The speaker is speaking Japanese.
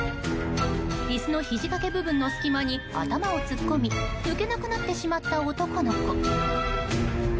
椅子のひじ掛け部分の隙間に頭を突っ込み抜けなくなってしまった男の子。